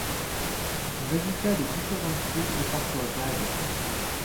Le résultat des différentes fouilles est parfois vague.